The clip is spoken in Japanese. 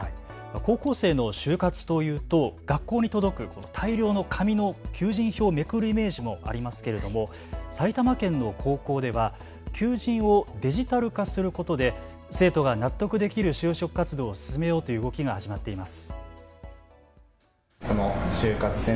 高校生の就活というと学校に届く大量の紙の求人票をめくるイメージもありますけども埼玉県の高校では求人をデジタル化することで生徒が納得できる就職活動を進めようという動きが始まっています。